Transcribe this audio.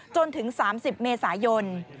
จนถึง๓๐เมษายน